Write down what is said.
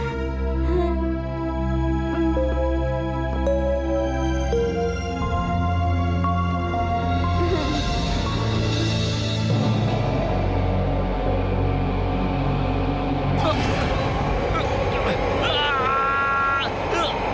kenapa kau tidak datang membawa kusuma